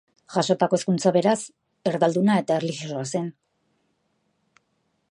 Jasotako hezkuntza, beraz, erdalduna eta erlijiosoa zen.